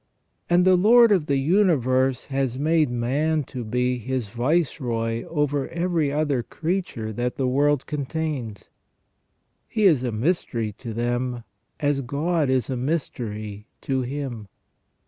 And the Lord of the universe has made man to be His viceroy over every other creature that the world contains. He is a mystery to them, as God is a mystery to him.